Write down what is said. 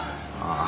ああ。